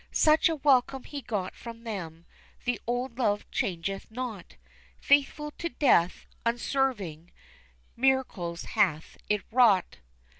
Such a welcome he got from them the old love changeth not, Faithful to death, unswerving miracles hath it wrought.